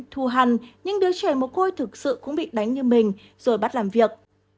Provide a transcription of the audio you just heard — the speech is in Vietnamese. thu hành nhưng đứa trẻ mồ côi thực sự cũng bị đánh như mình rồi bắt làm việc